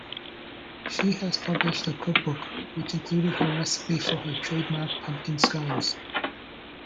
She has published a cookbook which included her recipe for her trademark pumpkin scones.